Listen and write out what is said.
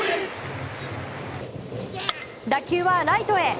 打球はライトへ！